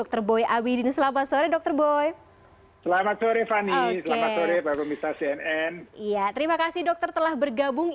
terima kasih dokter telah bergabung